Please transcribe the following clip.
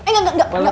eh engga engga engga